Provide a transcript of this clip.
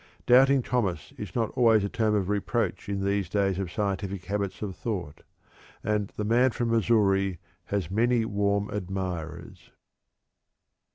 "Doubting Thomas" is not always a term of reproach in these days of scientific habits of thought, and "the man from Missouri" has many warm admirers.